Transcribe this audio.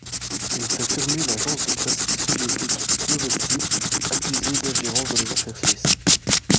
Il fait fermer l'agence de presse soviétique Novosti accusée d'ingérence dans les affaires suisses.